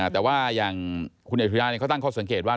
แต่ว่าอย่างคุณอัจฉริยะเขาตั้งข้อสังเกตว่า